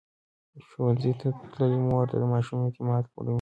ښوونځې تللې مور د ماشوم اعتماد لوړوي.